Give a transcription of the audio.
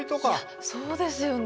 そうですよね。